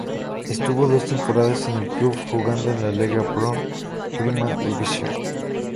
Estuvo dos temporadas en el club jugando en la Lega Pro Prima Divisione.